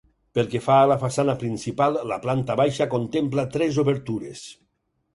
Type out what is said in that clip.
Pel que fa a la façana principal, la planta baixa contempla tres obertures.